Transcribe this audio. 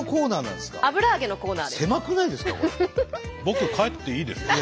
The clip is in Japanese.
僕帰っていいですか？